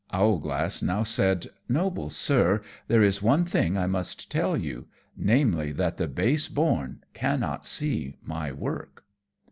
Owlglass now said, "Noble Sir, there is one thing I must tell you, namely, that the base born cannot see my work."